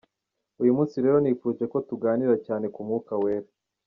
Uyu munsi rero nifuje ko tuganira cyane k'Umwuka Wera.